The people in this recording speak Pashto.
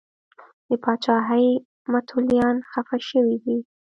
د پاچاهۍ متولیان خفه شوي دي.